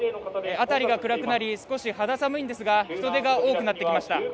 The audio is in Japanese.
辺りが暗くなり少し肌寒いんですが人出が多くなってきました。